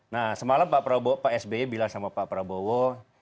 nah semalam pak sby bilang sama pak prabowo